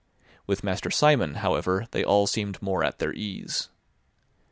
With Master Simon, however, they all seemed more at their ease.